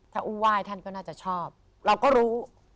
ถ้าอุ้มไหว้ท่านก็น่าจะชอบเราก็รู้